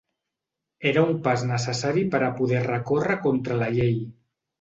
Era un pas necessari per a poder recórrer contra la llei.